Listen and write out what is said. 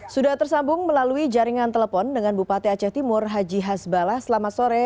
sudah tersambung melalui jaringan telepon dengan bupati aceh timur haji hasbalah selamat sore